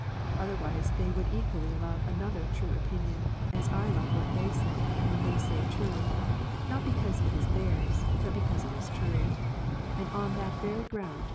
Otherwise they would equally love another true opinion, as I love what they say, when they say true : not because it is theirs, but because it is true; and on that very ground not theirs because it is true.